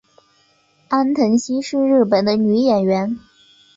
安藤希是日本的女演员。